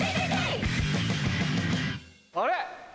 あれ？